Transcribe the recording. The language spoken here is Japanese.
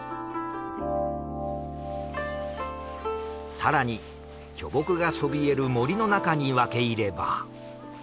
更に巨木がそびえる森の中に分け入れば。